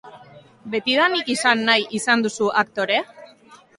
Betidanik izan nahi izan duzu aktore?